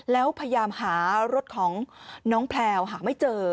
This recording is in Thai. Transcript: แล้วพยายามหารถของน้องแพลวหาไม่เจอ